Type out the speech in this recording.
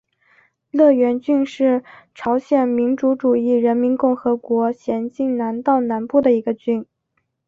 乐园郡是朝鲜民主主义人民共和国咸镜南道南部的一个郡。